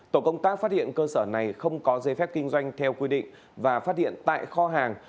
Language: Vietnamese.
tổ công tác phát hiện cơ sở này không có giấy phép kinh doanh theo quy định và phát hiện tại kho hàng